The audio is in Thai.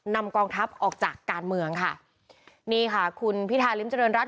นำกองทัพออกจากการเมืองค่ะนี่ค่ะคุณพิธาริมเจริญรัฐ